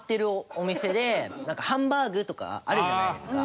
なんかハンバーグとかあるじゃないですか。